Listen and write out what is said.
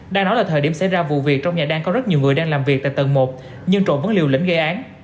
đang nói là thời điểm xảy ra vụ việc trong nhà đang có rất nhiều người đang làm việc tại tầng một nhưng trộn vẫn liều lĩnh gây án